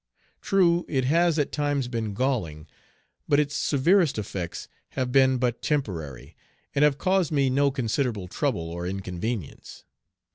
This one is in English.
True, it has at times been galling, but its severest effects have been but temporary and have caused me no considerable trouble or inconvenience.